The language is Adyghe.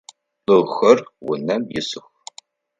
Лӏыхэр унэм исых.